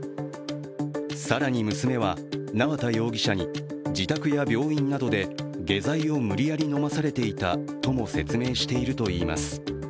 更に娘は、縄田容疑者に自宅や病院などで下剤を無理やり飲まされていたとも説明しているといいます。